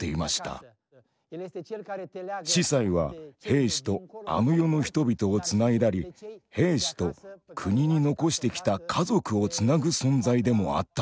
司祭は兵士とあの世の人々をつないだり兵士と国に残してきた家族をつなぐ存在でもあったのです。